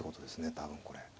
多分これ。